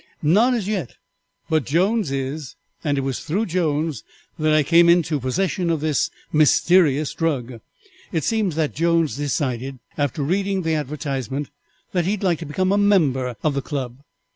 "Not as yet, but Jones is, and it was through Jones that I came into possession of this mysterious drug. It seems that Jones decided after reading the advertisement that he would like to become a member of the club.